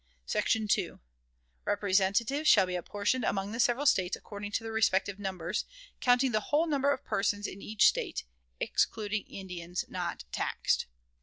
"SECTION 2. Representatives shall be apportioned among the several States according to their respective numbers, counting the whole number of persons in each State, excluding Indians not taxed.